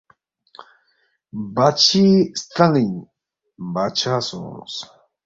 بادشی سترانِ٘نگ بادشاہ سونگس